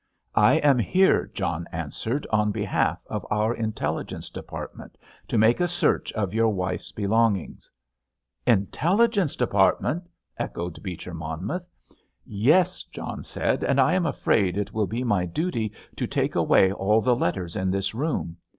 "I am here," John answered, "on behalf of our Intelligence Department, to make a search of your wife's belongings." "Intelligence Department!" echoed Beecher Monmouth. "Yes," John said; "and I am afraid it will be my duty to take away all the letters in this room.